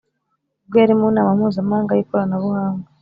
ubwo yari mu nama mpuzamahanga y’ikoranabuhanga